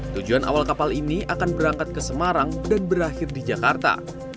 tujuan awal kapal ini akan berangkat ke semarang dan berakhir di jakarta